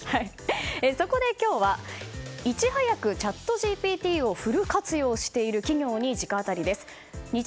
そこで今日はいち早くチャットＧＰＴをフル活用している企業に直アタリです。